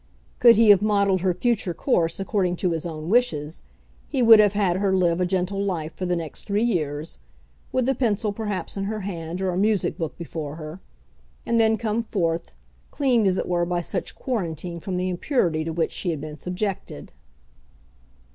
Could he have modelled her future course according to his own wishes, he would have had her live a gentle life for the next three years, with a pencil perhaps in her hand or a music book before her; and then come forth, cleaned as it were by such quarantine from the impurity to which she had been subjected.